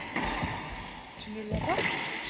Tu ne l'as pas ?